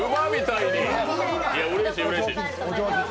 いや、うれしい、うれしい。